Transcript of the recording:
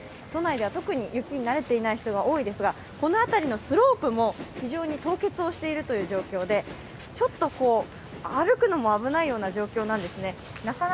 都内では特に雪に慣れていない人が多いですが、この辺りのスロープも、非常に凍結しているという状況でちょっと歩くのも危ないような状況なんですね。